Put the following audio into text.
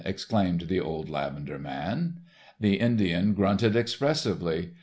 exclaimed the old lavender man. The Indian grunted expressively.